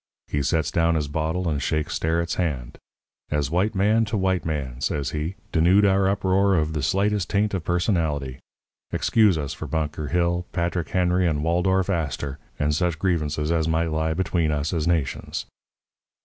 He sets down his bottle and shakes Sterrett's hand. 'As white man to white man,' says he, 'denude our uproar of the slightest taint of personality. Excuse us for Bunker Hill, Patrick Henry, and Waldorf Astor, and such grievances as might lie between us as nations.'